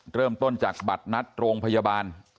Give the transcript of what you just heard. เริ่มต้นจากบัตรนัดโรงพยาบาล